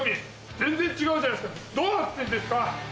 全然違うじゃないですかどうなってんですか！